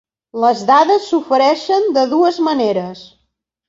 Les dades s'ofereixen de dues maneres.